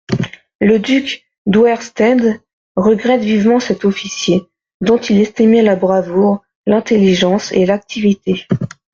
Le duc d'Auerstaedt regrette vivement cet officier, dont il estimait la bravoure, l'intelligence et l'activité.